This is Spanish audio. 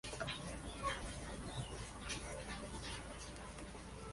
Makoto Tezuka